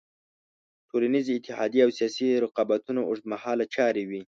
ټولنیزې اتحادیې او سیاسي رقابتونه اوږد مهاله چارې وې.